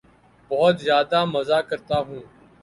بہت زیادہ مزاح کرتا ہوں